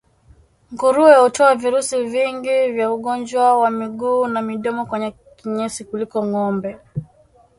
Nguruwe hutoa virusi vingi vya ugonjwa wa miguu na midomo kwenye kinyesi kuliko ngombe